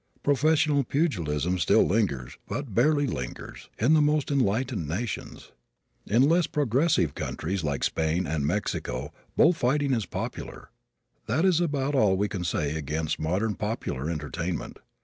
Professional pugilism still lingers, but barely lingers, in the most enlightened nations. In less progressive countries like Spain and Mexico bull fighting is popular. That is about all we can say against modern popular entertainment.